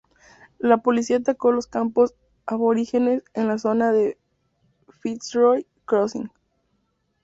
La policía atacó los campos aborígenes en la zona de Fitzroy Crossing.